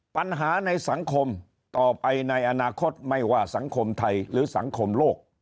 ปัญหาในสังคมต่อไปในอนาคตไม่ว่าสังคมไทยหรือสังคมโลก